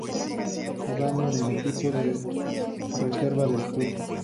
Jugando en el equipo de Reserva del Club.